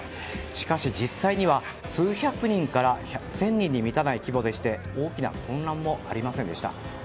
しかし実際には数百人から１０００人に満たない規模で大きな混乱もありませんでした。